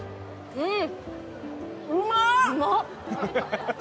うん！